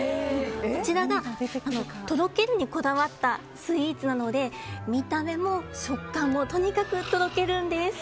こちらがとろけるにこだわったスイーツなので見た目も食感もとにかくとろけるんです。